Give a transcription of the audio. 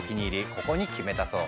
ここに決めたそう。